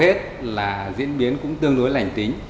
bệnh tay chân miệng hầu hết là diễn biến cũng tương đối lành tính